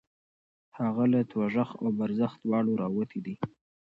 هغه له دوزخ او برزخ دواړو راوتی دی.